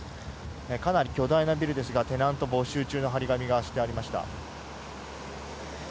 かなり巨大なビルですがテナント募集中の貼り紙がしてありました。